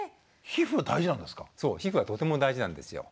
そう皮膚はとても大事なんですよ。